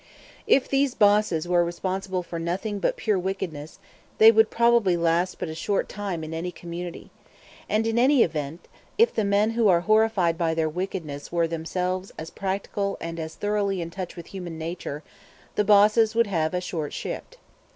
If these bosses were responsible for nothing but pure wickedness, they would probably last but a short time in any community. And, in any event, if the men who are horrified by their wickedness were themselves as practical and as thoroughly in touch with human nature, the bosses would have a short shrift.